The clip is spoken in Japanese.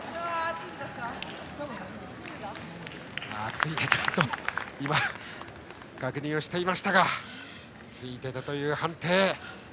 ついてた？と確認をしていましたがついていたという判定。